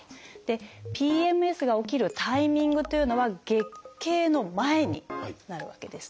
ＰＭＳが起きるタイミングというのは月経の前になるわけですね。